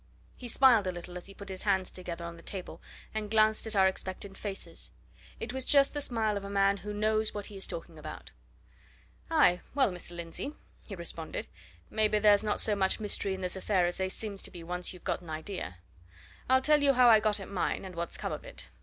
He smiled a little as he put his hands together on the table and glanced at our expectant faces it was just the smile of a man who knows what he is talking about. "Aye, well, Mr. Lindsey," he responded, "maybe there's not so much mystery in this affair as there seems to be once you've got at an idea. I'll tell you how I got at mine and what's come of it.